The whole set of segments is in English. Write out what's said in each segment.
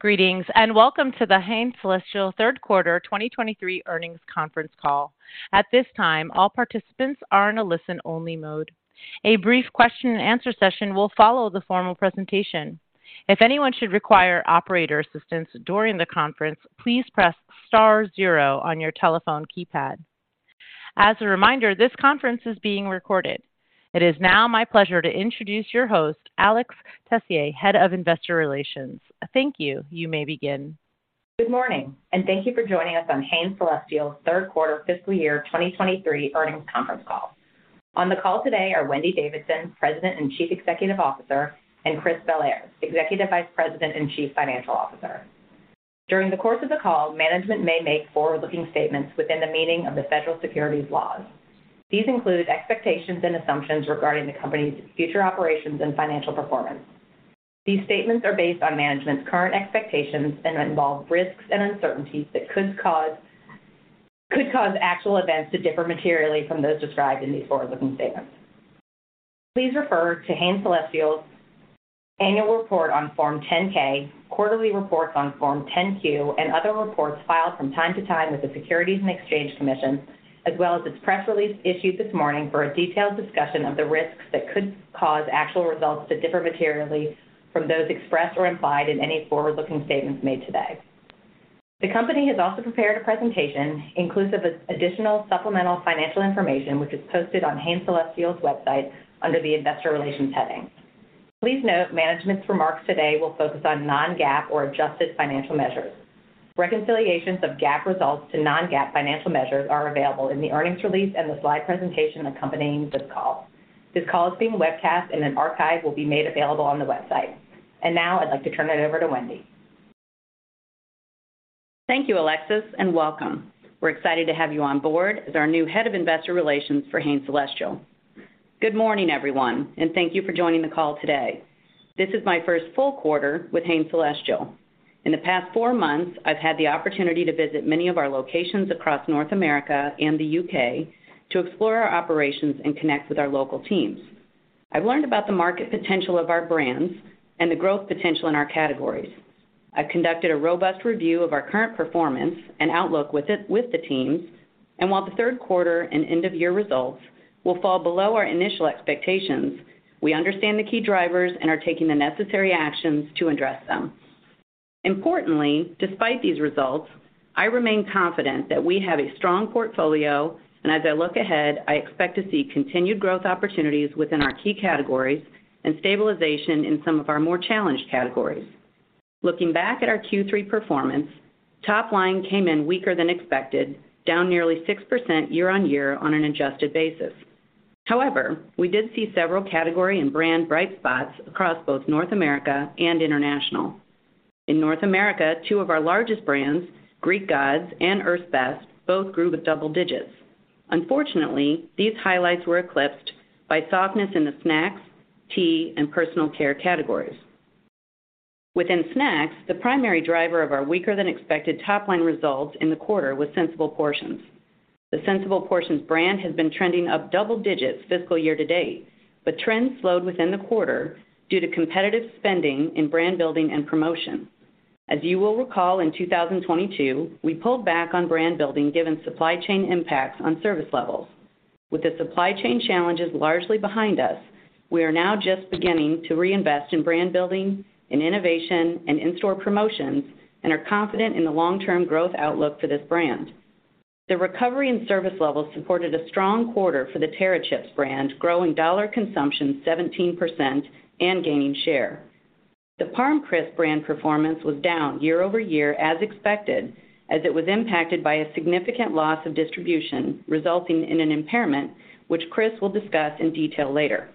Greetings, welcome to The Hain Celestial Third Quarter 2023 earnings conference call. At this time, all participants are in a listen-only mode. A brief question and answer session will follow the formal presentation. If anyone should require operator assistance during the conference, please press star zero on your telephone keypad. As a reminder, this conference is being recorded. It is now my pleasure to introduce your host, Alexis Tessier, Head of Investor Relations. Thank you. You may begin. Good morning, thank you for joining us on Hain Celestial's third quarter fiscal year 2023 earnings conference call. On the call today are Wendy Davidson, President and Chief Executive Officer, and Chris Bellairs, Executive Vice President and Chief Financial Officer. During the course of the call, management may make forward-looking statements within the meaning of the federal securities laws. These include expectations and assumptions regarding the company's future operations and financial performance. These statements are based on management's current expectations and involve risks and uncertainties that could cause actual events to differ materially from those described in these forward-looking statements. Please refer to Hain Celestial's Annual Report on Form 10-K, quarterly reports on Form 10-Q, and other reports filed from time to time with the Securities and Exchange Commission, as well as its press release issued this morning for a detailed discussion of the risks that could cause actual results to differ materially from those expressed or implied in any forward-looking statements made today. The company has also prepared a presentation inclusive of additional supplemental financial information, which is posted on Hain Celestial's website under the Investor Relations heading. Please note management's remarks today will focus on non-GAAP or adjusted financial measures. Reconciliations of GAAP results to non-GAAP financial measures are available in the earnings release and the slide presentation accompanying this call. This call is being webcast and an archive will be made available on the website. Now I'd like to turn it over to Wendy. Thank you, Alexis, and welcome. We're excited to have you on board as our new Head of Investor Relations for Hain Celestial. Good morning, everyone, thank you for joining the call today. This is my first full quarter with Hain Celestial. In the past four months, I've had the opportunity to visit many of our locations across North America and the U.K. to explore our operations and connect with our local teams. I've learned about the market potential of our brands and the growth potential in our categories. I've conducted a robust review of our current performance and outlook with the teams. While the third quarter and end-of-year results will fall below our initial expectations, we understand the key drivers and are taking the necessary actions to address them. Importantly, despite these results, I remain confident that we have a strong portfolio, and as I look ahead, I expect to see continued growth opportunities within our key categories and stabilization in some of our more challenged categories. Looking back at our Q3 performance, top line came in weaker than expected, down nearly 6% year-on-year on an adjusted basis. However, we did see several category and brand bright spots across both North America and international. In North America, two of our largest brands, Greek Gods and Earth's Best, both grew with double digits. Unfortunately, these highlights were eclipsed by softness in the snacks, tea, and personal care categories. Within snacks, the primary driver of our weaker-than-expected top-line results in the quarter was Sensible Portions. The Sensible Portions brand has been trending up double digits fiscal year to date, but trends slowed within the quarter due to competitive spending in brand building and promotion. As you will recall, in 2022, we pulled back on brand building given supply chain impacts on service levels. With the supply chain challenges largely behind us, we are now just beginning to reinvest in brand building and innovation and in-store promotions and are confident in the long-term growth outlook for this brand. The recovery in service levels supported a strong quarter for the Terra Chips brand, growing dollar consumption 17% and gaining share. The ParmCrisps brand performance was down year-over-year as expected, as it was impacted by a significant loss of distribution, resulting in an impairment, which Chris will discuss in detail later.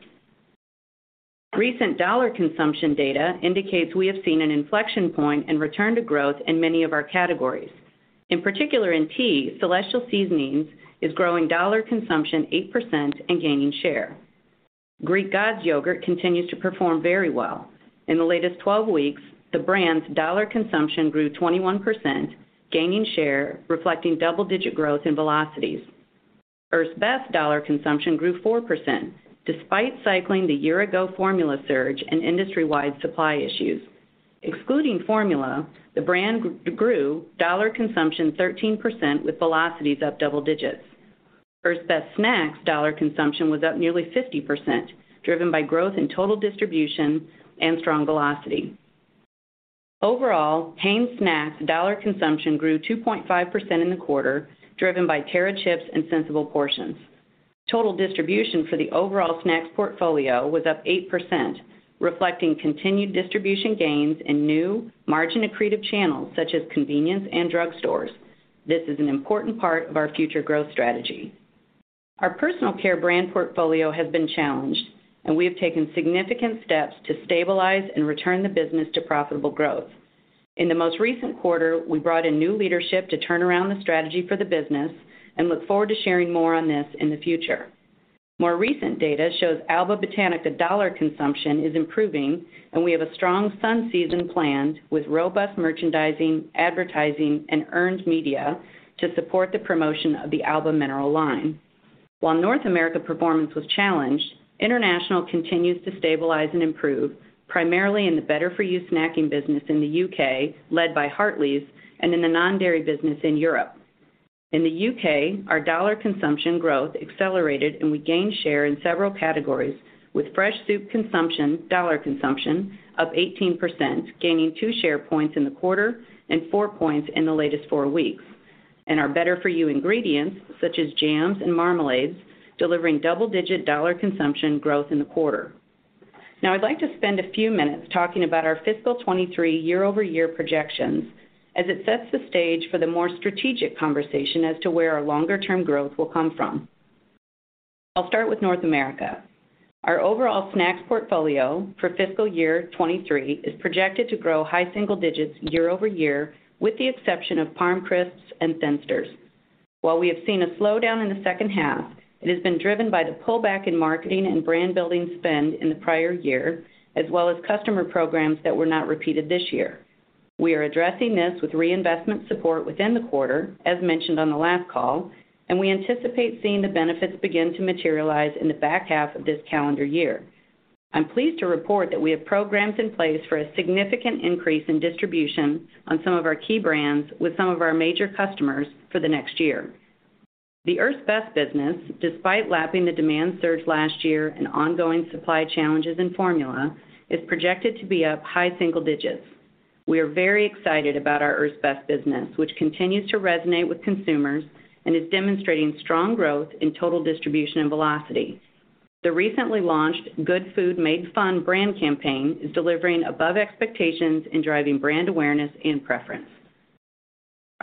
Recent dollar consumption data indicates we have seen an inflection point and return to growth in many of our categories. In particular, in tea, Celestial Seasonings is growing dollar consumption 8% and gaining share. Greek Gods yogurt continues to perform very well. In the latest 12 weeks, the brand's dollar consumption grew 21%, gaining share, reflecting double-digit growth in velocities. Earth's Best dollar consumption grew 4% despite cycling the year-ago formula surge and industry-wide supply issues. Excluding formula, the brand grew dollar consumption 13% with velocities up double digits. Earth's Best snacks dollar consumption was up nearly 50%, driven by growth in total distribution and strong velocity. Overall, Hain snacks dollar consumption grew 2.5% in the quarter, driven by Terra Chips and Sensible Portions. Total distribution for the overall snacks portfolio was up 8%, reflecting continued distribution gains in new margin-accretive channels such as convenience and drugstores. This is an important part of our future growth strategy. Our personal care brand portfolio has been challenged, and we have taken significant steps to stabilize and return the business to profitable growth. In the most recent quarter, we brought in new leadership to turn around the strategy for the business and look forward to sharing more on this in the future. More recent data shows Alba Botanica dollar consumption is improving, and we have a strong sun season planned with robust merchandising, advertising, and earned media to support the promotion of the Alba Mineral line. While North America performance was challenged, international continues to stabilize and improve, primarily in the better-for-you snacking business in the UK, led by Hartley's, and in the non-dairy business in Europe. In the U.K., our dollar consumption growth accelerated, and we gained share in several categories with fresh soup consumption, dollar consumption, up 18%, gaining 2 share points in the quarter and 4 points in the latest 4 weeks. Our better-for-you ingredients, such as jams and marmalades, delivering double-digit dollar consumption growth in the quarter. I'd like to spend a few minutes talking about our fiscal 23 year-over-year projections as it sets the stage for the more strategic conversation as to where our longer-term growth will come from. I'll start with North America. Our overall snacks portfolio for fiscal year 23 is projected to grow high single digits year-over-year, with the exception of ParmCrisps and Thinsters. While we have seen a slowdown in the second half, it has been driven by the pullback in marketing and brand-building spend in the prior year, as well as customer programs that were not repeated this year. We are addressing this with reinvestment support within the quarter, as mentioned on the last call, and we anticipate seeing the benefits begin to materialize in the back half of this calendar year. I'm pleased to report that we have programs in place for a significant increase in distribution on some of our key brands with some of our major customers for the next year. The Earth's Best business, despite lapping the demand surge last year and ongoing supply challenges in formula, is projected to be up high single digits. We are very excited about our Earth's Best business, which continues to resonate with consumers and is demonstrating strong growth in total distribution and velocity. The recently launched Good Food Made Fun brand campaign is delivering above expectations and driving brand awareness and preference.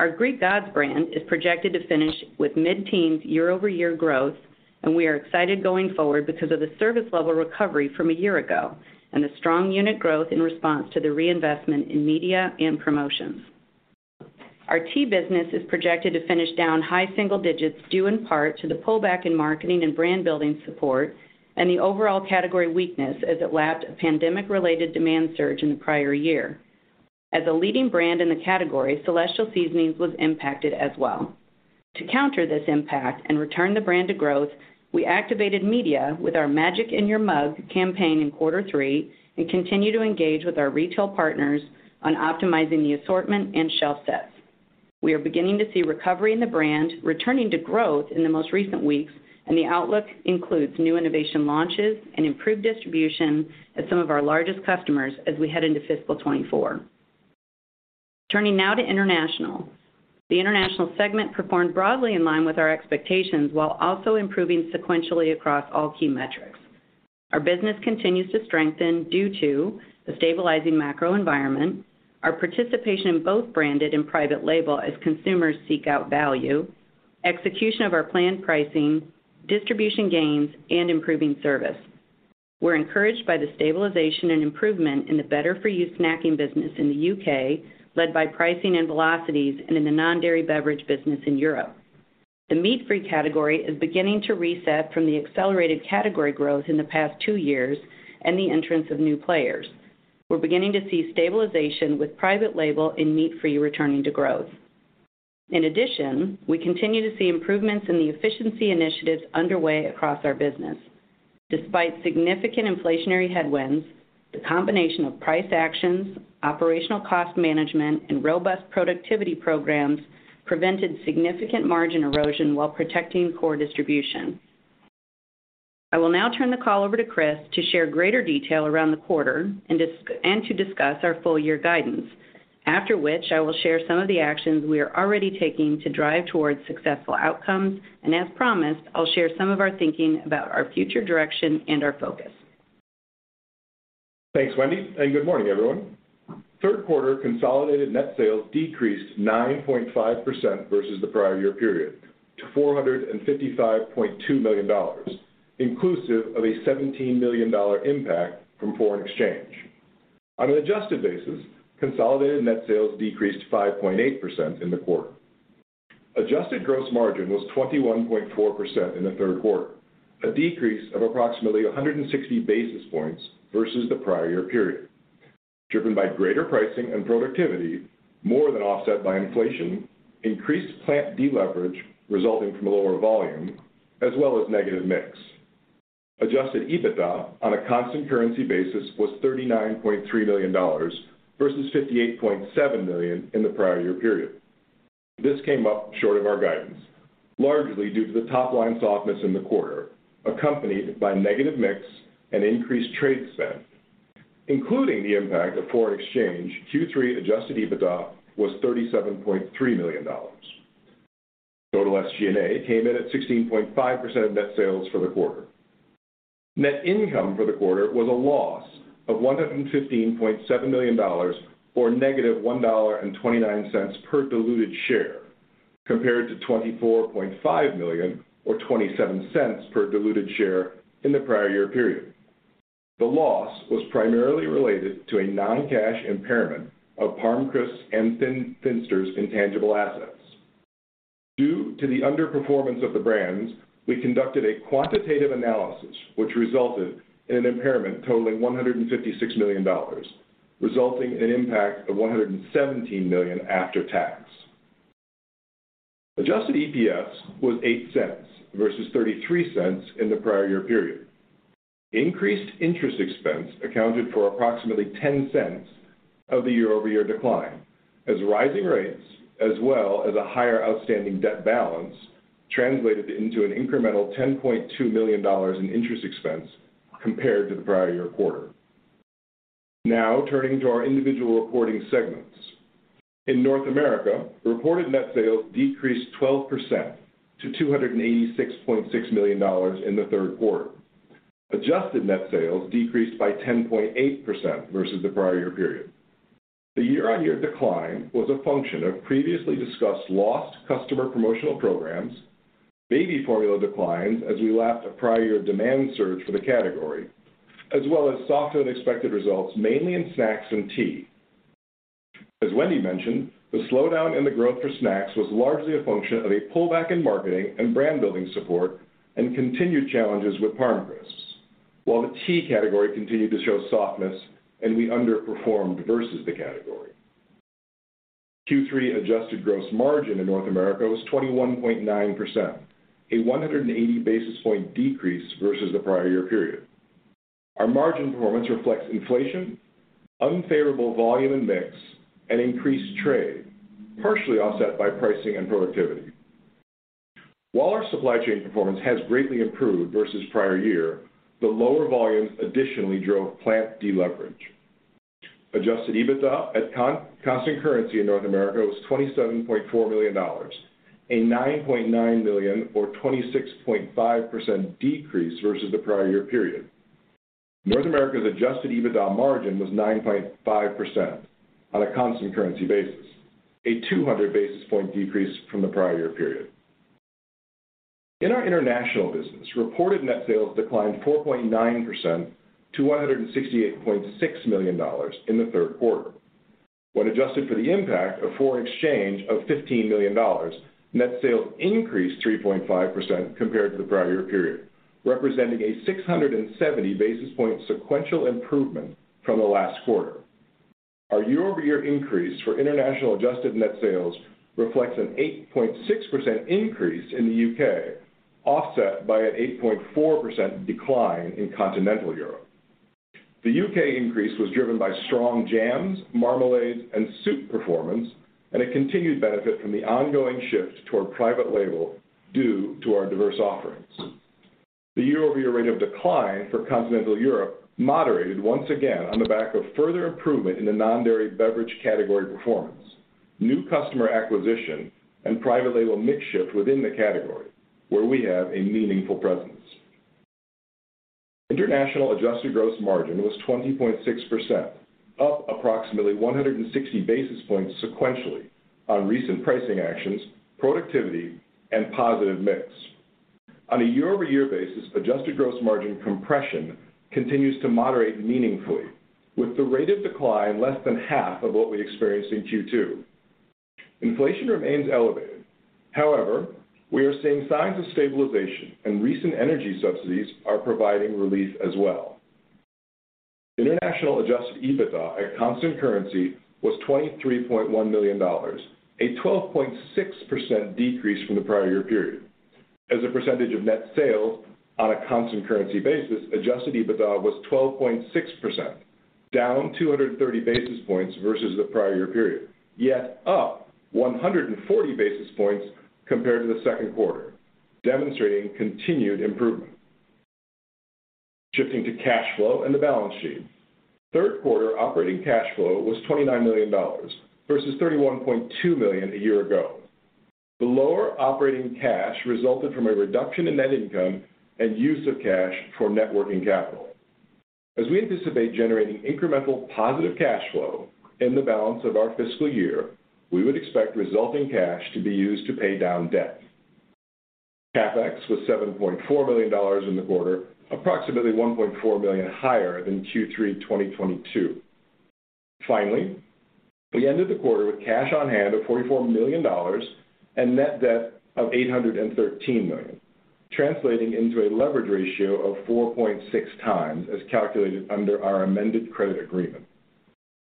Our Greek Gods brand is projected to finish with mid-teens year-over-year growth, and we are excited going forward because of the service level recovery from a year ago and the strong unit growth in response to the reinvestment in media and promotions. Our tea business is projected to finish down high single digits due in part to the pullback in marketing and brand-building support and the overall category weakness as it lapped a pandemic-related demand surge in the prior year. As a leading brand in the category, Celestial Seasonings was impacted as well. To counter this impact and return the brand to growth, we activated media with our Magic in Your Mug campaign in quarter three and continue to engage with our retail partners on optimizing the assortment and shelf sets. We are beginning to see recovery in the brand returning to growth in the most recent weeks, and the outlook includes new innovation launches and improved distribution at some of our largest customers as we head into fiscal 2024. Turning now to International. The International segment performed broadly in line with our expectations while also improving sequentially across all key metrics. Our business continues to strengthen due to the stabilizing macro environment, our participation in both branded and private label as consumers seek out value, execution of our planned pricing, distribution gains, and improving service. We're encouraged by the stabilization and improvement in the better-for-you snacking business in the U.K., led by pricing and velocities and in the non-dairy beverage business in Europe. The meat-free category is beginning to reset from the accelerated category growth in the past two years and the entrance of new players. We're beginning to see stabilization with private label and meat-free returning to growth. We continue to see improvements in the efficiency initiatives underway across our business. Despite significant inflationary headwinds, the combination of price actions, operational cost management, and robust productivity programs prevented significant margin erosion while protecting core distribution. I will now turn the call over to Chris to share greater detail around the quarter and to discuss our full year guidance. After which, I will share some of the actions we are already taking to drive towards successful outcomes, and as promised, I'll share some of our thinking about our future direction and our focus. Thanks, Wendy, and good morning, everyone. Third quarter consolidated net sales decreased 9.5% versus the prior year period to $455.2 million, inclusive of a $17 million impact from foreign exchange. On an adjusted basis, consolidated net sales decreased 5.8% in the quarter. Adjusted gross margin was 21.4% in the third quarter, a decrease of approximately 160 basis points versus the prior year period, driven by greater pricing and productivity, more than offset by inflation, increased plant deleverage resulting from lower volume as well as negative mix. Adjusted EBITDA on a constant currency basis was $39.3 million, versus $58.7 million in the prior year period. This came up short of our guidance, largely due to the top-line softness in the quarter, accompanied by negative mix and increased trade spend. Including the impact of foreign exchange, Q3 adjusted EBITDA was $37.3 million. Total SG&A came in at 16.5% of net sales for the quarter. Net income for the quarter was a loss of $115.7 million or -$1.29 per diluted share, compared to $24.5 million or $0.27 per diluted share in the prior year period. The loss was primarily related to a non-cash impairment of ParmCrisps and Thinsters' intangible assets. Due to the underperformance of the brands, we conducted a quantitative analysis which resulted in an impairment totaling $156 million, resulting in impact of $117 million after tax. Adjusted EPS was $0.08 versus $0.33 in the prior year period. Increased interest expense accounted for approximately $0.10 of the year-over-year decline, as rising rates as well as a higher outstanding debt balance translated into an incremental $10.2 million in interest expense compared to the prior year quarter. Now turning to our individual reporting segments. In North America, reported net sales decreased 12% to $286.6 million in the third quarter. Adjusted net sales decreased by 10.8% versus the prior year period. The year-on-year decline was a function of previously discussed lost customer promotional programs, baby formula declines as we lapped a prior year demand surge for the category, as well as softer-than-expected results, mainly in snacks and tea. As Wendy mentioned, the slowdown in the growth for snacks was largely a function of a pullback in marketing and brand building support and continued challenges with ParmCrisps, while the tea category continued to show softness and we underperformed versus the category. Q3 adjusted gross margin in North America was 21.9%, a 180 basis point decrease versus the prior year period. Our margin performance reflects inflation, unfavorable volume and mix, and increased trade, partially offset by pricing and productivity. While our supply chain performance has greatly improved versus prior year, the lower volumes additionally drove plant deleverage. Adjusted EBITDA at constant currency in North America was $27.4 million, a $9.9 million or 26.5% decrease versus the prior year period. North America's adjusted EBITDA margin was 9.5% on a constant currency basis, a 200 basis point decrease from the prior year period. In our international business, reported net sales declined 4.9% to $168.6 million in the third quarter. When adjusted for the impact of foreign exchange of $15 million, net sales increased 3.5% compared to the prior year period, representing a 670 basis point sequential improvement from the last quarter. Our year-over-year increase for international adjusted net sales reflects an 8.6% increase in the UK, offset by an 8.4% decline in Continental Europe. The UK increase was driven by strong jams, marmalades, and soup performance, and a continued benefit from the ongoing shift toward private label due to our diverse offerings. The year-over-year rate of decline for Continental Europe moderated once again on the back of further improvement in the non-dairy beverage category performance, new customer acquisition, and private label mix shift within the category, where we have a meaningful presence. International adjusted gross margin was 20.6%, up approximately 160 basis points sequentially on recent pricing actions, productivity, and positive mix. On a year-over-year basis, adjusted gross margin compression continues to moderate meaningfully, with the rate of decline less than half of what we experienced in Q2. Inflation remains elevated. We are seeing signs of stabilization and recent energy subsidies are providing relief as well. International adjusted EBITDA at constant currency was $23.1 million, a 12.6% decrease from the prior year period. As a percentage of net sales on a constant currency basis, adjusted EBITDA was 12.6%, down 230 basis points versus the prior year period, yet up 140 basis points compared to the second quarter, demonstrating continued improvement. Shifting to cash flow and the balance sheet. Third quarter operating cash flow was $29 million versus $31.2 million a year ago. The lower operating cash resulted from a reduction in net income and use of cash for net working capital. As we anticipate generating incremental positive cash flow in the balance of our fiscal year, we would expect resulting cash to be used to pay down debt. CapEx was $7.4 million in the quarter, approximately $1.4 million higher than Q3 2022. We ended the quarter with cash on hand of $44 million and net debt of $813 million, translating into a leverage ratio of 4.6 times as calculated under our amended credit agreement.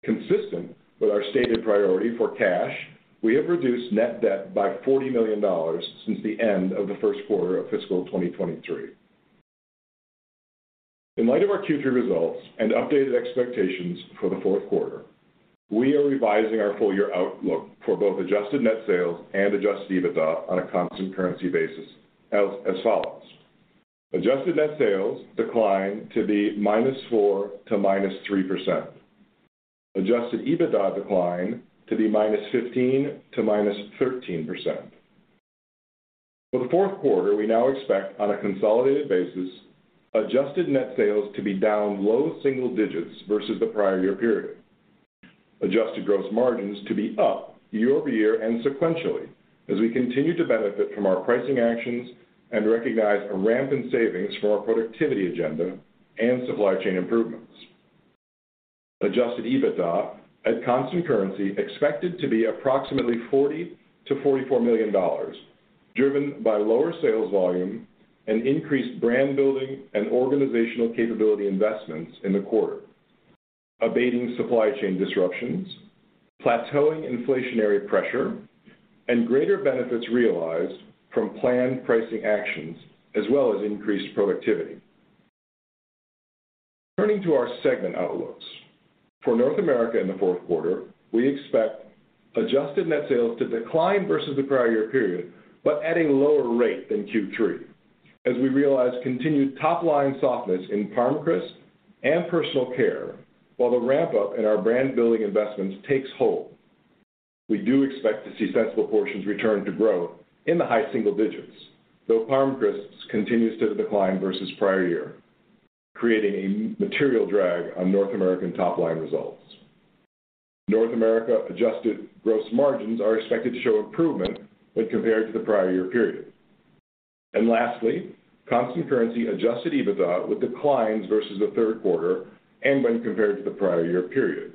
Consistent with our stated priority for cash, we have reduced net debt by $40 million since the end of the first quarter of fiscal 2023. In light of our Q3 results and updated expectations for the fourth quarter, we are revising our full year outlook for both adjusted net sales and adjusted EBITDA on a constant currency basis as follows. Adjusted net sales decline to be -4% to -3%. Adjusted EBITDA decline to be -15% to -13%. For the fourth quarter, we now expect on a consolidated basis, adjusted net sales to be down low single digits versus the prior year period. Adjusted gross margins to be up year-over-year and sequentially as we continue to benefit from our pricing actions and recognize a ramp in savings from our productivity agenda and supply chain improvements. Adjusted EBITDA at constant currency expected to be approximately $40 million-$44 million. Driven by lower sales volume and increased brand building and organizational capability investments in the quarter, abating supply chain disruptions, plateauing inflationary pressure, and greater benefits realized from planned pricing actions as well as increased productivity. Turning to our segment outlooks. For North America in the fourth quarter, we expect adjusted net sales to decline versus the prior year period, but at a lower rate than Q3, as we realize continued top-line softness in ParmCrisps and personal care, while the ramp-up in our brand-building investments takes hold. We do expect to see Sensible Portions return to growth in the high single digits, though ParmCrisps continues to decline versus prior year, creating a material drag on North American top-line results. North America adjusted gross margins are expected to show improvement when compared to the prior year period. Lastly, constant currency adjusted EBITDA will decline versus the third quarter and when compared to the prior year period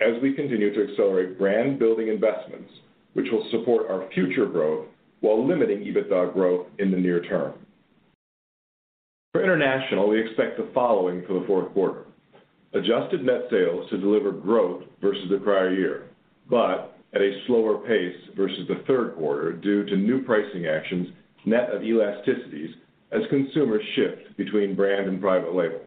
as we continue to accelerate brand-building investments, which will support our future growth while limiting EBITDA growth in the near term. For international, we expect the following for the fourth quarter: Adjusted net sales to deliver growth versus the prior year, but at a slower pace versus the third quarter due to new pricing actions net of elasticities as consumers shift between brand and private label.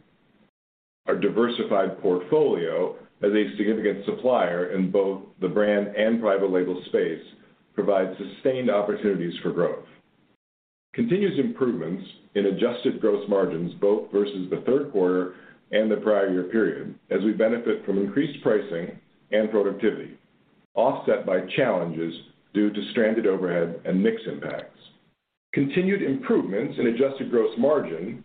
Our diversified portfolio as a significant supplier in both the brand and private label space provides sustained opportunities for growth. Continuous improvements in adjusted gross margins, both versus the third quarter and the prior year period, as we benefit from increased pricing and productivity, offset by challenges due to stranded overhead and mix impacts. Continued improvements in adjusted gross margin,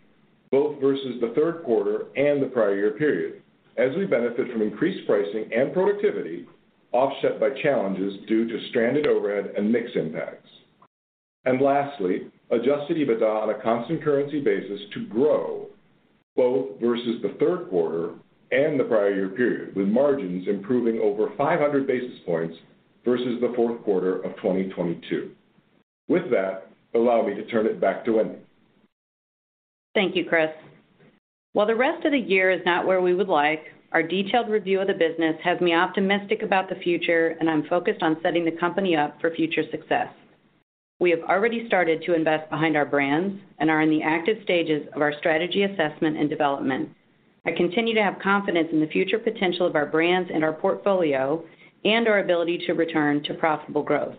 both versus the third quarter and the prior year period, as we benefit from increased pricing and productivity offset by challenges due to stranded overhead and mix impacts. Lastly, adjusted EBITDA on a constant currency basis to grow both versus the third quarter and the prior year period, with margins improving over 500 basis points versus the fourth quarter of 2022. With that, allow me to turn it back to Wendy. Thank you, Chris. While the rest of the year is not where we would like, our detailed review of the business has me optimistic about the future, and I'm focused on setting the company up for future success. We have already started to invest behind our brands and are in the active stages of our strategy assessment and development. I continue to have confidence in the future potential of our brands and our portfolio and our ability to return to profitable growth.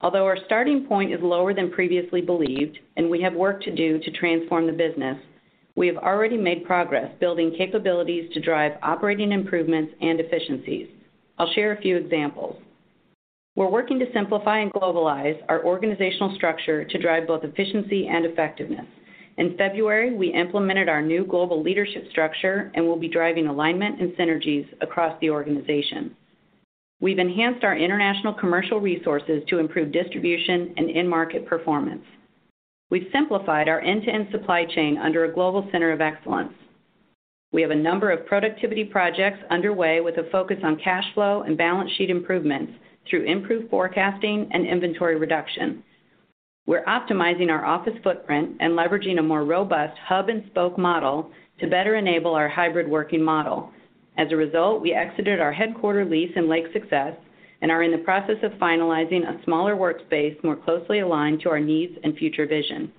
Although our starting point is lower than previously believed, and we have work to do to transform the business, we have already made progress building capabilities to drive operating improvements and efficiencies. I'll share a few examples. We're working to simplify and globalize our organizational structure to drive both efficiency and effectiveness. In February, we implemented our new global leadership structure and will be driving alignment and synergies across the organization. We've enhanced our international commercial resources to improve distribution and in-market performance. We've simplified our end-to-end supply chain under a global center of excellence. We have a number of productivity projects underway with a focus on cash flow and balance sheet improvements through improved forecasting and inventory reduction. We're optimizing our office footprint and leveraging a more robust hub-and-spoke model to better enable our hybrid working model. As a result, we exited our headquarter lease in Lake Success and are in the process of finalizing a smaller workspace more closely aligned to our needs and future vision.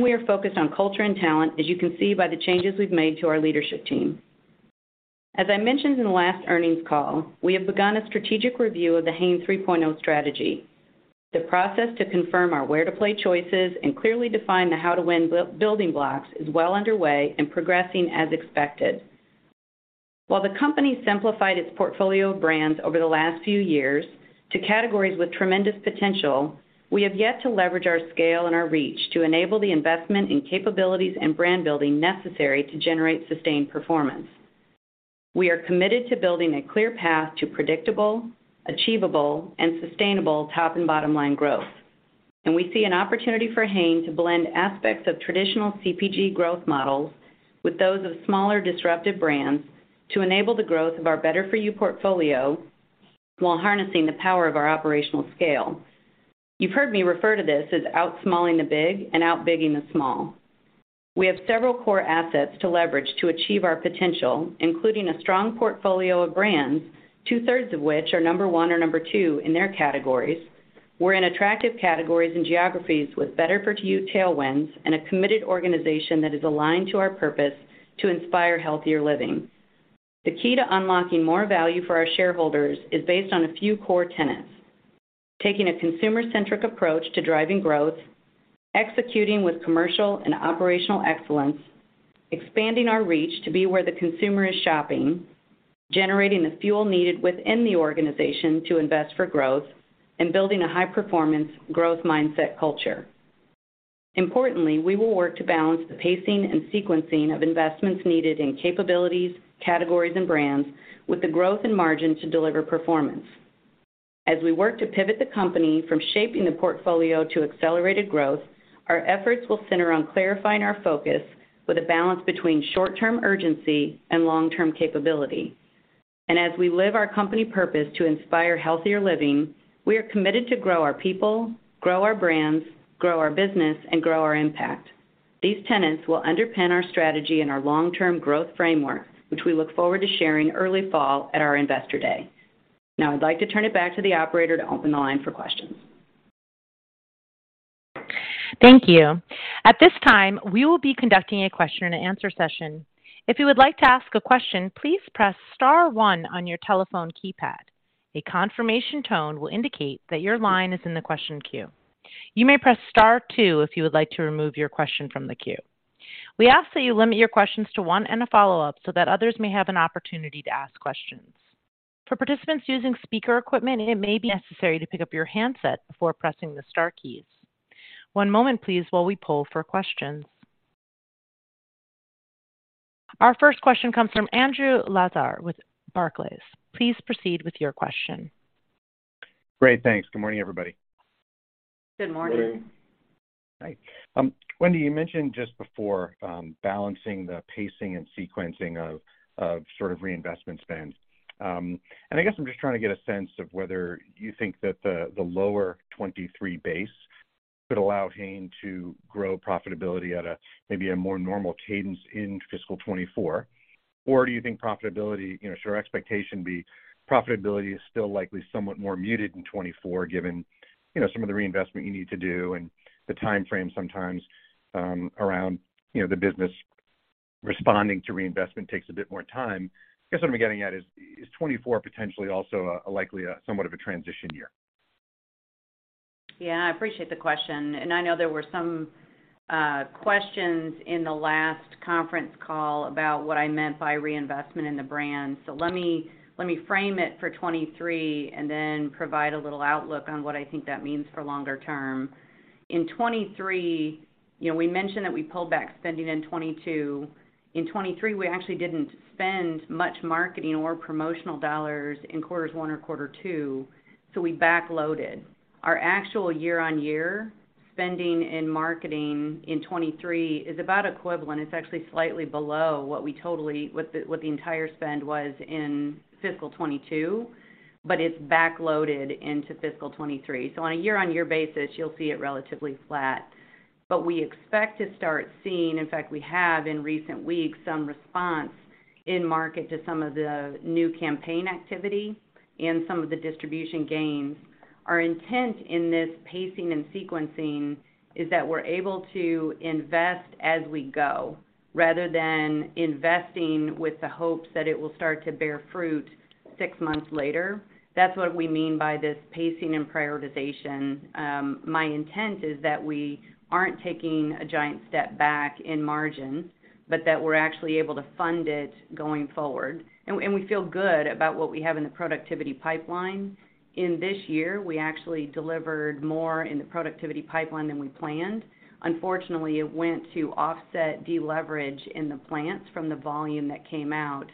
We are focused on culture and talent, as you can see by the changes we've made to our leadership team. As I mentioned in the last earnings call, we have begun a strategic review of the Hain 3.0 strategy. The process to confirm our where to play choices and clearly define the how to win building blocks is well underway and progressing as expected. While the company simplified its portfolio of brands over the last few years to categories with tremendous potential, we have yet to leverage our scale and our reach to enable the investment in capabilities and brand building necessary to generate sustained performance. We are committed to building a clear path to predictable, achievable, and sustainable top and bottom line growth. We see an opportunity for Hain to blend aspects of traditional CPG growth models with those of smaller, disruptive brands to enable the growth of our better for you portfolio while harnessing the power of our operational scale. You've heard me refer to this as out-smalling the big and out-bigging the small. We have several core assets to leverage to achieve our potential, including a strong portfolio of brands, 2/3 of which are number one or number two in their categories. We're in attractive categories and geographies with better-for-you tailwinds and a committed organization that is aligned to our purpose to inspire healthier living. The key to unlocking more value for our shareholders is based on a few core tenets: taking a consumer-centric approach to driving growth, executing with commercial and operational excellence, expanding our reach to be where the consumer is shopping, generating the fuel needed within the organization to invest for growth, and building a high-performance growth-mindset culture. Importantly, we will work to balance the pacing and sequencing of investments needed in capabilities, categories, and brands with the growth and margin to deliver performance. As we work to pivot the company from shaping the portfolio to accelerated growth, our efforts will center on clarifying our focus with a balance between short-term urgency and long-term capability. As we live our company purpose to inspire healthier living, we are committed to grow our people, grow our brands, grow our business, and grow our impact. These tenets will underpin our strategy and our long-term growth framework, which we look forward to sharing early fall at our Investor Day. I'd like to turn it back to the operator to open the line for questions. Thank you. At this time, we will be conducting a question and answer session. If you would like to ask a question, please press star one on your telephone keypad. A confirmation tone will indicate that your line is in the question queue. You may press star two if you would like to remove your question from the queue. We ask that you limit your questions to one and a follow-up so that others may have an opportunity to ask questions. For participants using speaker equipment, it may be necessary to pick up your handset before pressing the star keys. One moment please while we poll for questions. Our first question comes from Andrew Lazar with Barclays. Please proceed with your question. Great, thanks. Good morning, everybody. Good morning. Good morning. Hi. Wendy, you mentioned just before, balancing the pacing and sequencing of sort of reinvestment spend. I guess I'm just trying to get a sense of whether you think that the lower 23 base could allow Hain to grow profitability at a maybe a more normal cadence in fiscal 2024. Do you think profitability, you know, should our expectation be profitability is still likely somewhat more muted in 2024 given, you know, some of the reinvestment you need to do and the timeframe sometimes, around, you know, the business responding to reinvestment takes a bit more time. I guess what I'm getting at is 2024 potentially also a likely, somewhat of a transition year? Yeah. I appreciate the question, and I know there were some questions in the last conference call about what I meant by reinvestment in the brand. Let me frame it for 23 and then provide a little outlook on what I think that means for longer term. In 23, you know, we mentioned that we pulled back spending in 22. In 23, we actually didn't spend much marketing or promotional dollars in Q1 or Q2, so we backloaded. Our actual year-on-year spending in marketing in 23 is about equivalent. It's actually slightly below what the entire spend was in fiscal 22, but it's backloaded into fiscal 23. On a year-on-year basis, you'll see it relatively flat. We expect to start seeing, in fact, we have in recent weeks some response in market to some of the new campaign activity and some of the distribution gains. Our intent in this pacing and sequencing is that we're able to invest as we go, rather than investing with the hopes that it will start to bear fruit 6 months later. That's what we mean by this pacing and prioritization. My intent is that we aren't taking a giant step back in margin, but that we're actually able to fund it going forward. We feel good about what we have in the productivity pipeline. In this year, we actually delivered more in the productivity pipeline than we planned. Unfortunately, it went to offset deleverage in the plants from the volume that came out,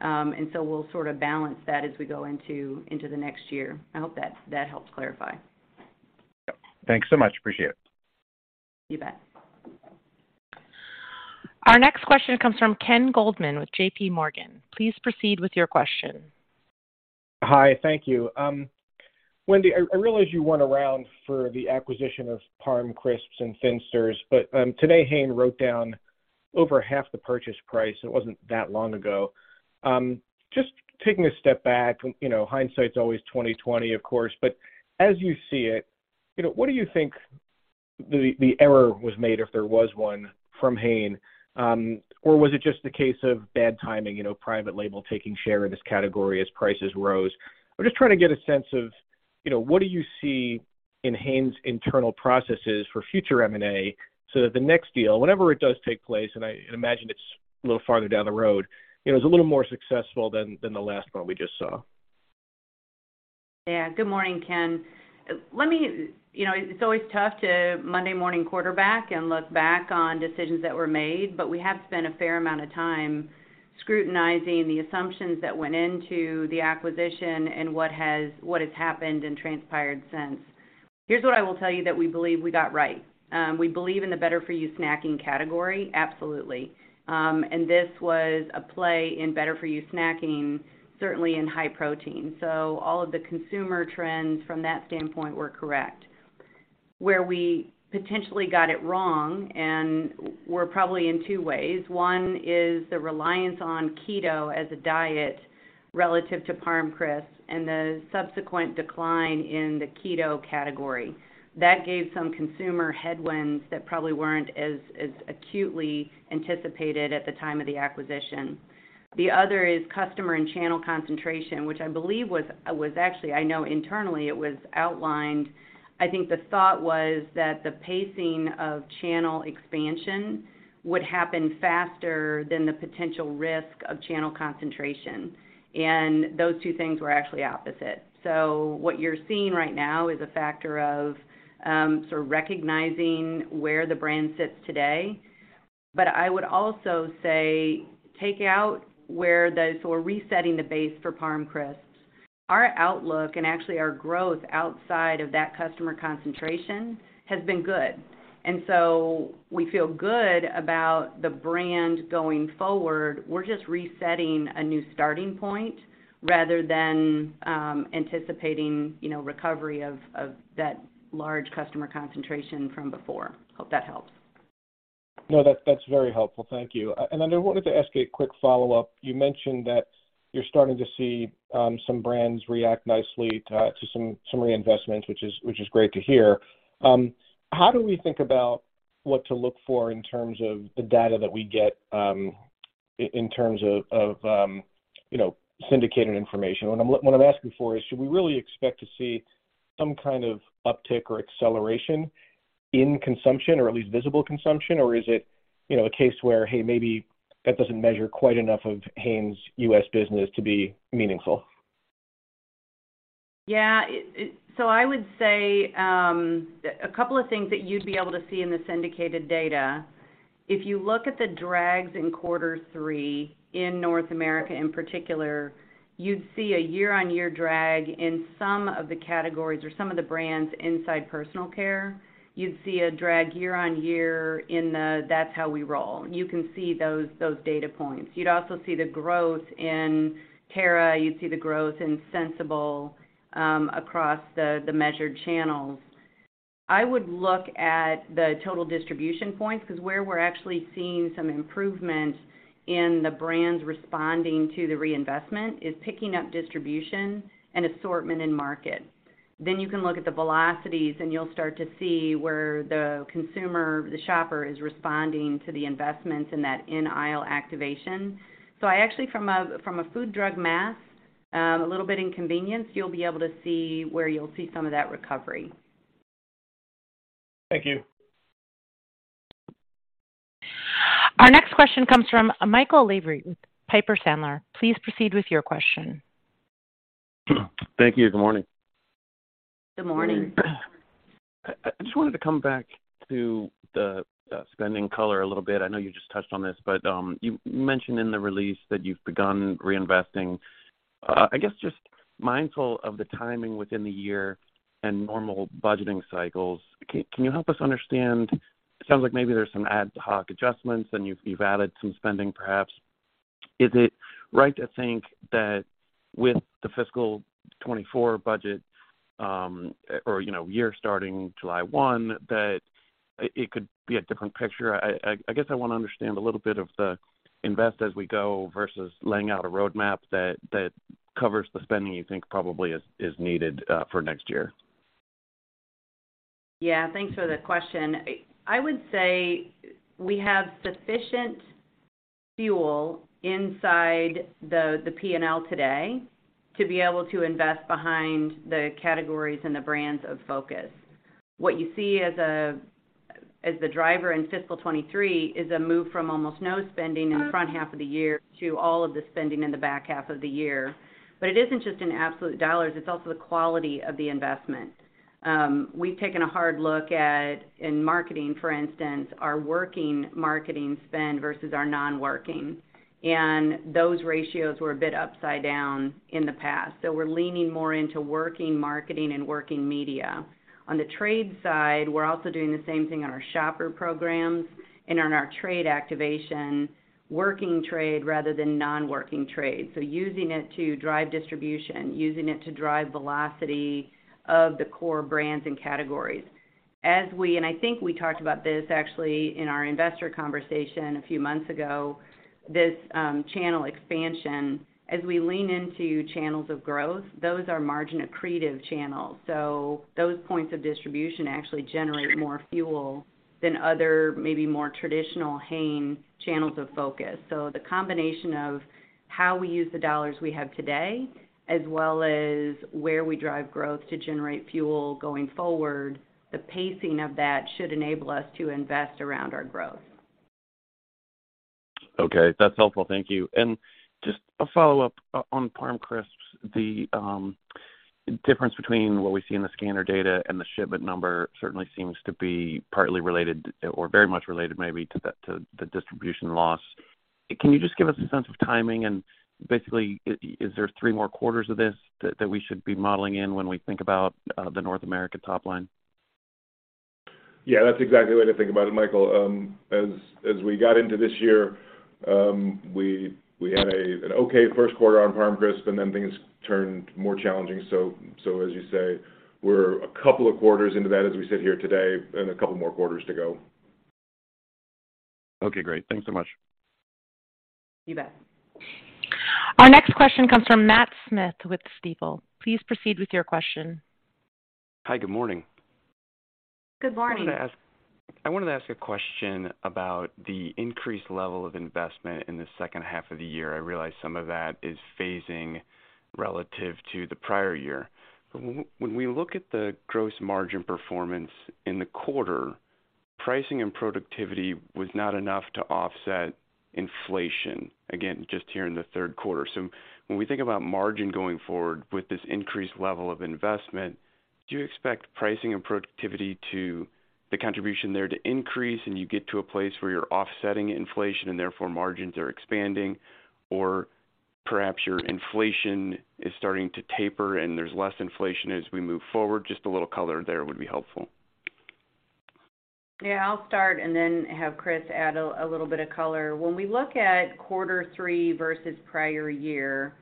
and so we'll sort of balance that as we go into the next year. I hope that helps clarify. Yep. Thanks so much. Appreciate it. You bet. Our next question comes from Ken Goldman with J.P. Morgan. Please proceed with your question. Hi. Thank you. Wendy, I realize you went around for the acquisition of ParmCrisps and Thinsters, but today Hain wrote down over half the purchase price. It wasn't that long ago. Just taking a step back, you know, hindsight's always 20/20, of course, but as you see it, you know, what do you think the error was made, if there was one, from Hain? Was it just a case of bad timing, you know, private label taking share in this category as prices rose? I'm just trying to get a sense of, you know, what do you see in Hain's internal processes for future M&A so that the next deal, whenever it does take place, and I imagine it's a little farther down the road, you know, is a little more successful than the last one we just saw. Yeah. Good morning, Ken. You know, it's always tough to Monday morning quarterback and look back on decisions that were made, but we have spent a fair amount of time scrutinizing the assumptions that went into the acquisition and what has happened and transpired since. Here's what I will tell you that we believe we got right. We believe in the better for you snacking category, absolutely. This was a play in better for you snacking, certainly in high protein. All of the consumer trends from that standpoint were correct. Where we potentially got it wrong, and were probably in two ways. One is the reliance on keto as a diet relative to ParmCrisps and the subsequent decline in the keto category. That gave some consumer headwinds that probably weren't as acutely anticipated at the time of the acquisition. The other is customer and channel concentration, which I believe was actually. I know internally it was outlined. I think the thought was that the pacing of channel expansion would happen faster than the potential risk of channel concentration. Those two things were actually opposite. What you're seeing right now is a factor of sort of recognizing where the brand sits today. I would also say. We're resetting the base for ParmCrisps. Our outlook and actually our growth outside of that customer concentration has been good. We feel good about the brand going forward. We're just resetting a new starting point rather than anticipating, you know, recovery of that large customer concentration from before. Hope that helps. No, that's very helpful. Thank you. I wanted to ask a quick follow-up. You mentioned that you're starting to see some brands react nicely to some reinvestments, which is great to hear. How do we think about what to look for in terms of the data that we get in terms of, you know, syndicated information? What I'm asking for is should we really expect to see some kind of uptick or acceleration in consumption or at least visible consumption? Or is it, you know, a case where, hey, maybe that doesn't measure quite enough of Hain's U.S. business to be meaningful? I would say a couple of things that you'd be able to see in the syndicated data. If you look at the drags in quarter three in North America in particular, you'd see a year-on-year drag in some of the categories or some of the brands inside personal care. You'd see a drag year-on-year in the, That's How We Roll. You can see those data points. You'd also see the growth in TERRA, you'd see the growth in Sensible across the measured channels. I would look at the total distribution points because where we're actually seeing some improvement in the brands responding to the reinvestment is picking up distribution and assortment in market. You can look at the velocities, and you'll start to see where the consumer, the shopper is responding to the investments in that in aisle activation. I actually from a food drug mass, a little bit inconvenience, you'll be able to see where you'll see some of that recovery. Thank you. Our next question comes from Michael Lavery with Piper Sandler. Please proceed with your question. Thank you. Good morning. Good morning. I just wanted to come back to the spending color a little bit. I know you just touched on this, but you mentioned in the release that you've begun reinvesting. I guess just mindful of the timing within the year and normal budgeting cycles, can you help us understand? It sounds like maybe there's some ad hoc adjustments, and you've added some spending, perhaps. Is it right to think that with the fiscal 2024 budget, or you know, year starting July 1, that it could be a different picture? I guess I wanna understand a little bit of the invest as we go versus laying out a roadmap that covers the spending you think probably is needed for next year. Yeah. Thanks for the question. I would say we have sufficient fuel inside the P&L today to be able to invest behind the categories and the brands of focus. What you see as the driver in fiscal 23 is a move from almost no spending in the front half of the year to all of the spending in the back half of the year. It isn't just in absolute dollars, it's also the quality of the investment. We've taken a hard look at in marketing, for instance, our working marketing spend versus our non-working, and those ratios were a bit upside down in the past. We're leaning more into working marketing and working media. On the trade side, we're also doing the same thing on our shopper programs and on our trade activation, working trade rather than non-working trade. Using it to drive distribution, using it to drive velocity of the core brands and categories. As we, and I think we talked about this actually in our investor conversation a few months ago, this channel expansion. As we lean into channels of growth, those are margin accretive channels. Those points of distribution actually generate more fuel than other maybe more traditional Hain channels of focus. The combination of how we use the dollars we have today, as well as where we drive growth to generate fuel going forward, the pacing of that should enable us to invest around our growth. Okay. That's helpful. Thank you. Just a follow-up on ParmCrisps. The difference between what we see in the scanner data and the shipment number certainly seems to be partly related or very much related maybe to the distribution loss. Can you just give us a sense of timing? Basically, is there three more quarters of this that we should be modeling in when we think about the North America top line? That's exactly the way to think about it, Michael. As we got into this year, we had an okay first quarter on ParmCrisps, and then things turned more challenging. As you say, we're a couple of quarters into that as we sit here today and a couple more quarters to go. Okay, great. Thanks so much. You bet. Our next question comes from Matt Smith with Stifel. Please proceed with your question. Hi. Good morning. Good morning. I wanted to ask a question about the increased level of investment in the second half of the year. I realize some of that is phasing relative to the prior year. When we look at the gross margin performance in the quarter, pricing and productivity was not enough to offset inflation, again, just here in the third quarter. When we think about margin going forward with this increased level of investment, do you expect pricing and productivity to the contribution there to increase, and you get to a place where you're offsetting inflation and therefore margins are expanding? Perhaps your inflation is starting to taper, and there's less inflation as we move forward? Just a little color there would be helpful. I'll start and then have Chris add a little bit of color. When we look at quarter three versus prior year,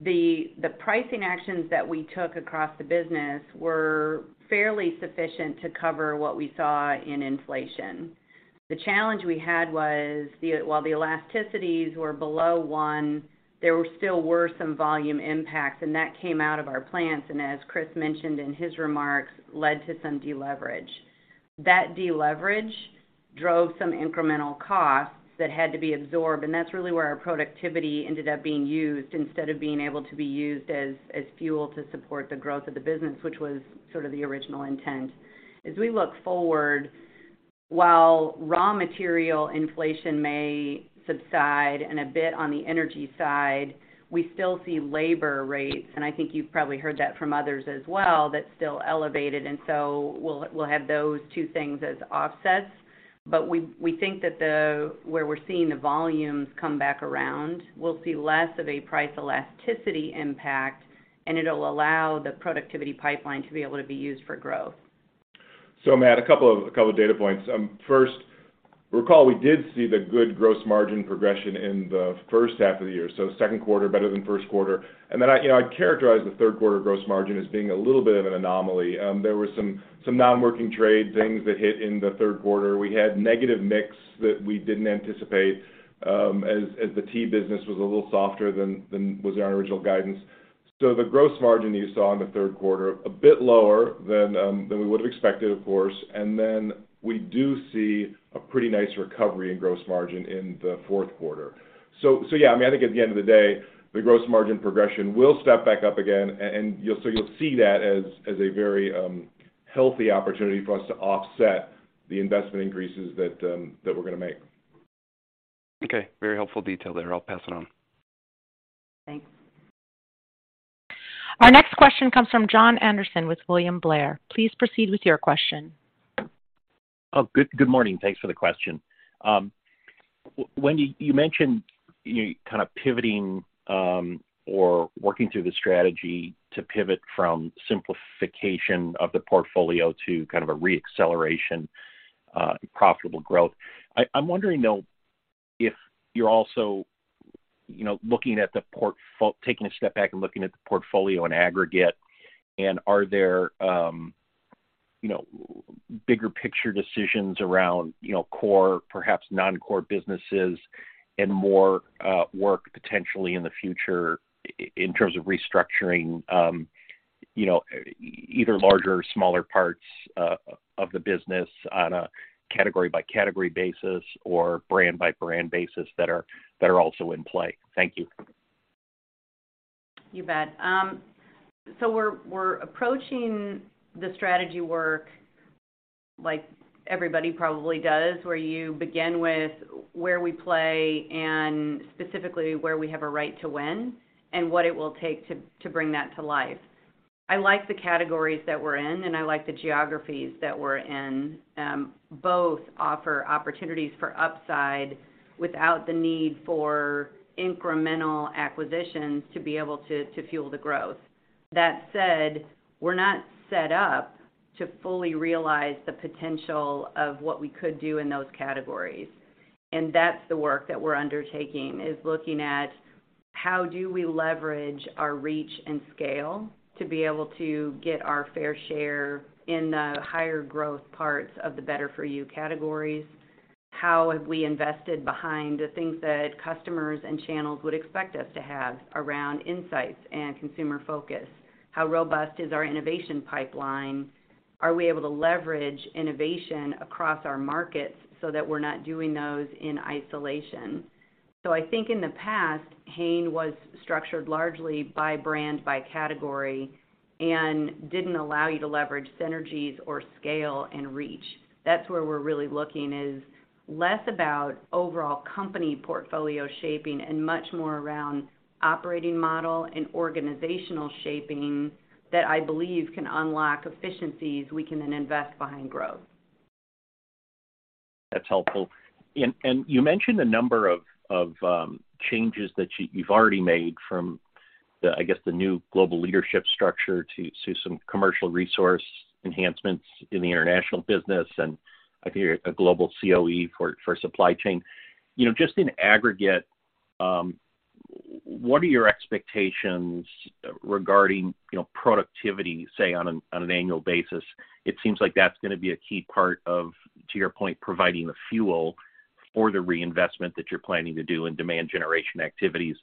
the pricing actions that we took across the business were fairly sufficient to cover what we saw in inflation. The challenge we had was while the elasticities were below one, there still were some volume impacts, and that came out of our plans, and as Chris mentioned in his remarks, led to some deleverage. That deleverage drove some incremental costs that had to be absorbed, and that's really where our productivity ended up being used instead of being able to be used as fuel to support the growth of the business, which was sort of the original intent. As we look forward, while raw material inflation may subside and a bit on the energy side, we still see labor rates, and I think you've probably heard that from others as well, that's still elevated. We'll have those two things as offsets. We think that where we're seeing the volumes come back around, we'll see less of a price elasticity impact, and it'll allow the productivity pipeline to be able to be used for growth. Matt, a couple of data points. First, recall we did see the good gross margin progression in the first half of the year, so second quarter better than first quarter. I, you know, I'd characterize the third quarter gross margin as being a little bit of an anomaly. There were some non-working trade things that hit in the third quarter. We had negative mix that we didn't anticipate, as the tea business was a little softer than was our original guidance. The gross margin you saw in the third quarter, a bit lower than we would have expected, of course. We do see a pretty nice recovery in gross margin in the fourth quarter. Yeah, I mean, I think at the end of the day, the gross margin progression will step back up again and you'll see that as a very healthy opportunity for us to offset the investment increases that we're gonna make. Okay. Very helpful detail there. I'll pass it on. Thanks. Our next question comes from Jon Andersen with William Blair. Please proceed with your question. Good morning. Thanks for the question. Wendy, you mentioned you kind of pivoting or working through the strategy to pivot from simplification of the portfolio to kind of a re-acceleration, profitable growth. I'm wondering, though, if you're also, you know, looking at the portfolio, taking a step back and looking at the portfolio on aggregate, and are there, you know, bigger picture decisions around, you know, core, perhaps non-core businesses and more work potentially in the future in terms of restructuring, you know, either larger or smaller parts of the business on a category by category basis or brand by brand basis that are also in play? Thank you. You bet. We're approaching the strategy work like everybody probably does, where you begin with where we play and specifically where we have a right to win and what it will take to bring that to life. I like the categories that we're in, and I like the geographies that we're in. Both offer opportunities for upside without the need for incremental acquisitions to be able to fuel the growth. That said, we're not set up to fully realize the potential of what we could do in those categories. That's the work that we're undertaking, is looking at how do we leverage our reach and scale to be able to get our fair share in the higher growth parts of the better for you categories. How have we invested behind the things that customers and channels would expect us to have around insights and consumer focus? How robust is our innovation pipeline? Are we able to leverage innovation across our markets so that we're not doing those in isolation? I think in the past, Hain was structured largely by brand, by category, and didn't allow you to leverage synergies or scale and reach. That's where we're really looking, is less about overall company portfolio shaping and much more around operating model and organizational shaping that I believe can unlock efficiencies we can then invest behind growth. That's helpful. You mentioned a number of changes that you've already made from the, I guess, the new global leadership structure to some commercial resource enhancements in the international business and I hear a global COE for supply chain. You know, just in aggregate, what are your expectations regarding, you know, productivity, say, on an annual basis? It seems like that's gonna be a key part of, to your point, providing the fuel for the reinvestment that you're planning to do in demand generation activities.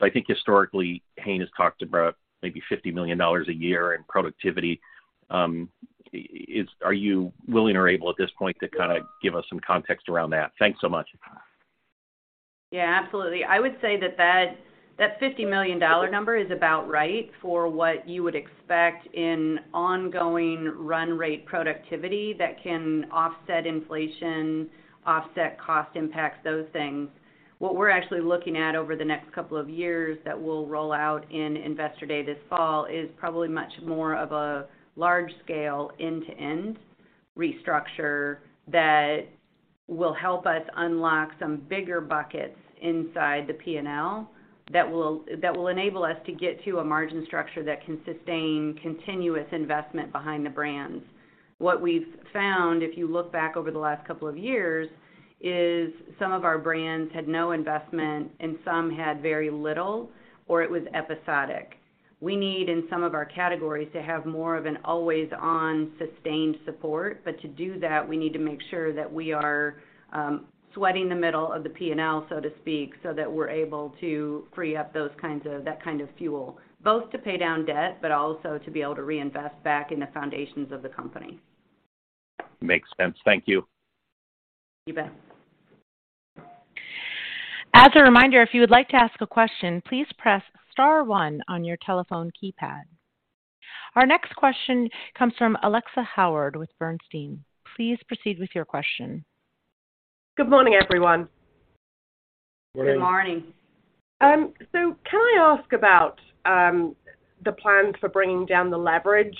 I think historically, Hain has talked about maybe $50 million a year in productivity. Are you willing or able at this point to kinda give us some context around that? Thanks so much. Yeah, absolutely. I would say that $50 million number is about right for what you would expect in ongoing run rate productivity that can offset inflation, offset cost impacts, those things. What we're actually looking at over the next couple of years that we'll roll out in Investor Day this fall is probably much more of a large scale end-to-end restructure that will help us unlock some bigger buckets inside the P&L that will enable us to get to a margin structure that can sustain continuous investment behind the brands. What we've found, if you look back over the last couple of years, is some of our brands had no investment and some had very little, or it was episodic. We need, in some of our categories, to have more of an always-on sustained support, but to do that, we need to make sure that we are sweating the middle of the P&L, so to speak, so that we're able to free up that kind of fuel, both to pay down debt, but also to be able to reinvest back in the foundations of the company. Makes sense. Thank you. You bet. As a reminder, if you would like to ask a question, please press star one on your telephone keypad. Our next question comes from Alexia Howard with Bernstein. Please proceed with your question. Good morning, everyone. Good morning. Can I ask about the plans for bringing down the leverage?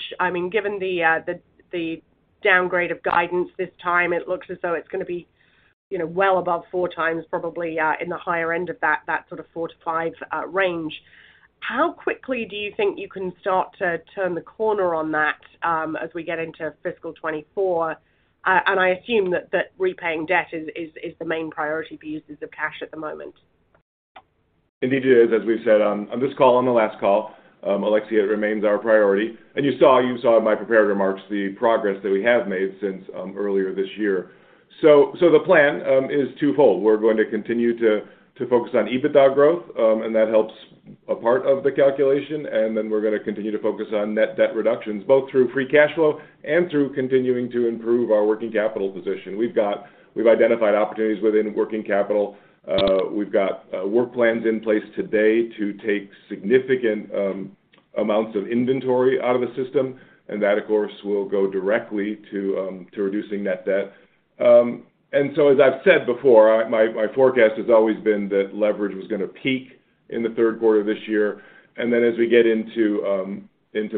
Given the downgrade of guidance this time, it looks as though it's gonna be well above 4 times, probably, in the higher end of that sort of 4-5 range. How quickly do you think you can start to turn the corner on that as we get into fiscal 2024? I assume that repaying debt is the main priority for uses of cash at the moment. Indeed it is. As we've said on this call and the last call, Alexia, it remains our priority. You saw in my prepared remarks the progress that we have made since earlier this year. The plan is twofold. We're going to continue to focus on EBITDA growth, and that helps a part of the calculation, and then we're gonna continue to focus on net debt reductions, both through free cash flow and through continuing to improve our working capital position. We've identified opportunities within working capital. We've got work plans in place today to take significant amounts of inventory out of the system, and that, of course, will go directly to reducing net debt. As I've said before, my forecast has always been that leverage was gonna peak in the third quarter of this year, and then as we get into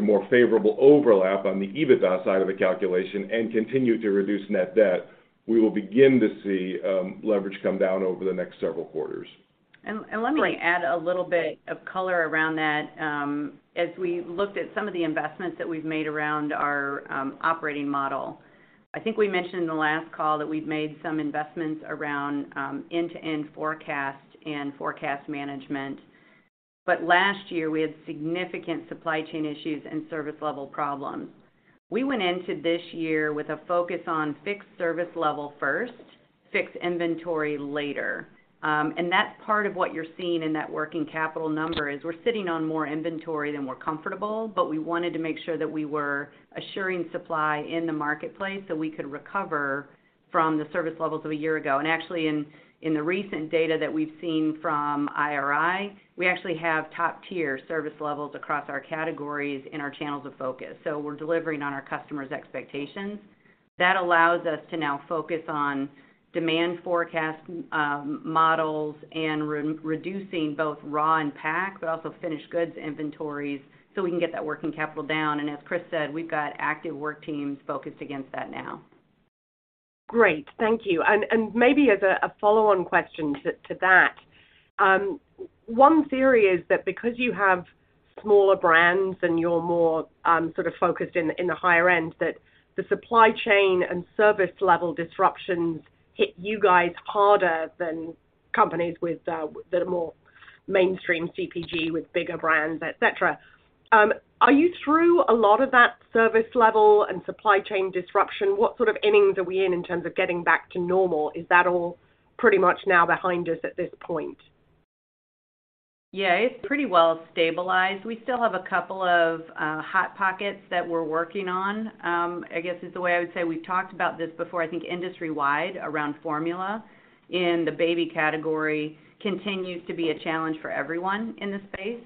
more favorable overlap on the EBITDA side of the calculation and continue to reduce net debt, we will begin to see leverage come down over the next several quarters. Let me add a little bit of color around that. As we looked at some of the investments that we've made around our operating model, I think we mentioned in the last call that we've made some investments around end-to-end forecast and forecast management. Last year, we had significant supply chain issues and service level problems. We went into this year with a focus on fixed service level first, fixed inventory later. That's part of what you're seeing in that working capital number is we're sitting on more inventory than we're comfortable, but we wanted to make sure that we were assuring supply in the marketplace, so we could recover from the service levels of a year ago. Actually in the recent data that we've seen from IRI, we actually have top-tier service levels across our categories and our channels of focus. We're delivering on our customers' expectations. That allows us to now focus on demand forecast models and reducing both raw and packed, but also finished goods inventories, so we can get that working capital down. As Chris said, we've got active work teams focused against that now. Great. Thank you. Maybe as a follow-on question to that. One theory is that because you have smaller brands and you're more sort of focused in the higher end, that the supply chain and service level disruptions hit you guys harder than companies with the more mainstream CPG with bigger brands, et cetera. Are you through a lot of that service level and supply chain disruption? What sort of innings are we in in terms of getting back to normal? Is that all pretty much now behind us at this point? Yeah. It's pretty well stabilized. We still have a couple of hot pockets that we're working on, I guess is the way I would say. We've talked about this before, I think, industry-wide around formula. The baby category continues to be a challenge for everyone in this space.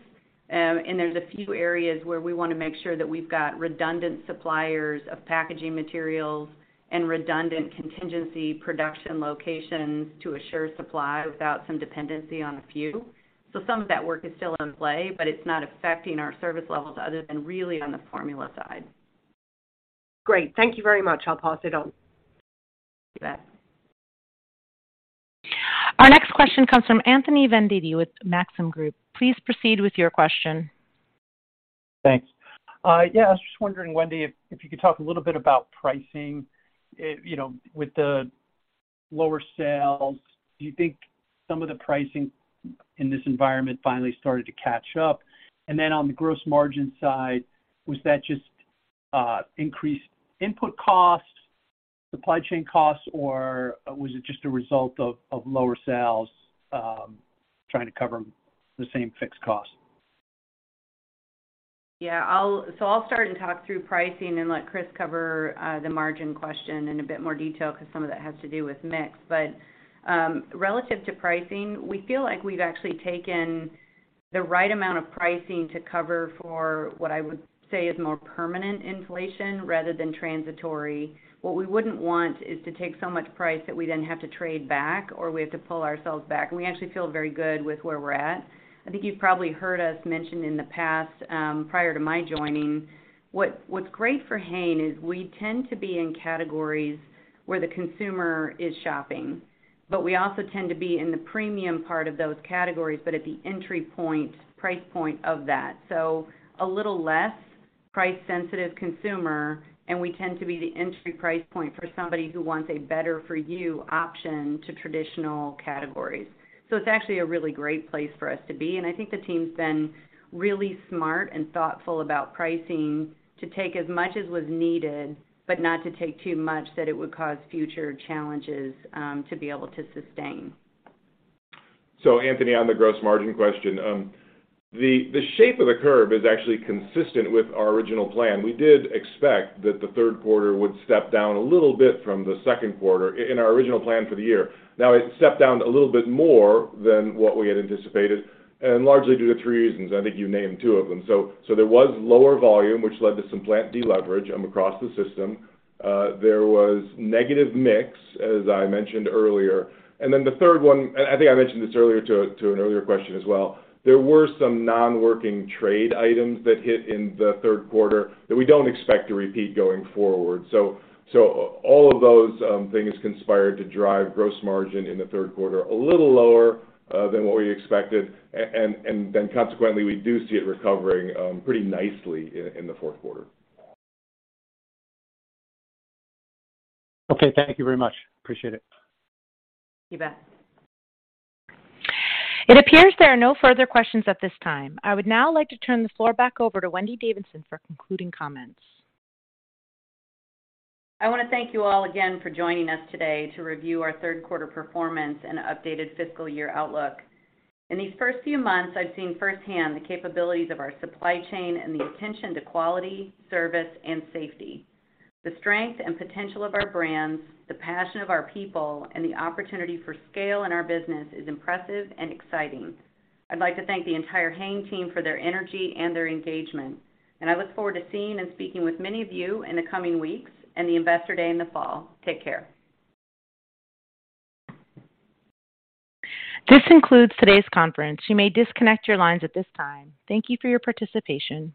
There's a few areas where we wanna make sure that we've got redundant suppliers of packaging materials and redundant contingency production locations to assure supply without some dependency on a few. Some of that work is still in play, but it's not affecting our service levels other than really on the formula side. Great. Thank you very much. I'll pass it on. You bet. Our next question comes from Anthony Vendetti with Maxim Group. Please proceed with your question. Thanks. Yeah, I was just wondering, Wendy, if you could talk a little bit about pricing, you know, with the lower sales, do you think some of the pricing in this environment finally started to catch up? On the gross margin side, was that just increased input costs, supply chain costs, or was it just a result of lower sales trying to cover the same fixed cost? Yeah. I'll start and talk through pricing and let Chris cover the margin question in a bit more detail because some of that has to do with mix. Relative to pricing, we feel like we've actually taken the right amount of pricing to cover for what I would say is more permanent inflation rather than transitory. What we wouldn't want is to take so much price that we then have to trade back or we have to pull ourselves back. We actually feel very good with where we're at. I think you've probably heard us mention in the past, prior to my joining, what's great for Hain is we tend to be in categories where the consumer is shopping, but we also tend to be in the premium part of those categories, but at the entry point price point of that. A little less price-sensitive consumer, and we tend to be the entry price point for somebody who wants a better for you option to traditional categories. It's actually a really great place for us to be, and I think the team's been really smart and thoughtful about pricing to take as much as was needed, but not to take too much that it would cause future challenges to be able to sustain. Anthony, on the gross margin question, the shape of the curve is actually consistent with our original plan. We did expect that the third quarter would step down a little bit from the second quarter in our original plan for the year. It stepped down a little bit more than what we had anticipated and largely due to three reasons. I think you named two of them. There was lower volume, which led to some plant deleverage across the system. There was negative mix, as I mentioned earlier. Then the third one, and I think I mentioned this earlier to an earlier question as well, there were some non-working trade items that hit in the third quarter that we don't expect to repeat going forward. All of those things conspired to drive gross margin in the third quarter a little lower than what we expected. Consequently, we do see it recovering pretty nicely in the fourth quarter. Okay, thank you very much. Appreciate it. You bet. It appears there are no further questions at this time. I would now like to turn the floor back over to Wendy Davidson for concluding comments. I wanna thank you all again for joining us today to review our third quarter performance and updated fiscal year outlook. In these first few months, I've seen firsthand the capabilities of our supply chain and the attention to quality, service, and safety. The strength and potential of our brands, the passion of our people, and the opportunity for scale in our business is impressive and exciting. I'd like to thank the entire Hain team for their energy and their engagement. I look forward to seeing and speaking with many of you in the coming weeks and the Investor Day in the fall. Take care. This concludes today's conference. You may disconnect your lines at this time. Thank you for your participation.